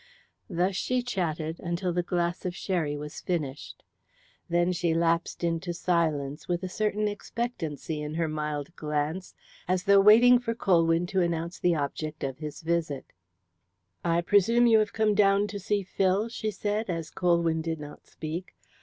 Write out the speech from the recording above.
Thus she chatted, until the glass of sherry was finished. Then she lapsed into silence, with a certain expectancy in her mild glance, as though waiting for Colwyn to announce the object of his visit. "I presume you have come down to see Phil?" she said, as Colwyn did not speak.